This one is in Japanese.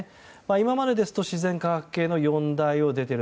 今までですと自然科学系の４大を出ている。